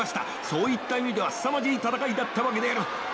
そういった意味ではすさまじい戦いだったわけであります。